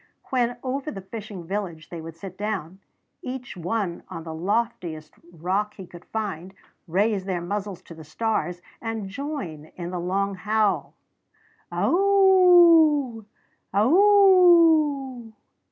When over the fishing village they would sit down, each one on the loftiest rock he could find, raise their muzzles to the stars, and join in the long howl, _Ooooooo wow ow ow!